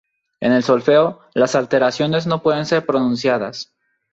En el solfeo, las alteraciones no deben ser pronunciadas.